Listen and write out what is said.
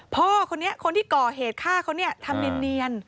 พ่อคนนี้คนที่ก่อเหตุฆ่าเขาเนี่ยทำเนียน